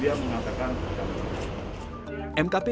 dia mengatakan tetap tetap tetap